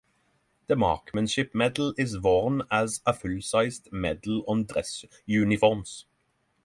The Marksmanship Medal is worn as a full-sized medal on dress uniforms.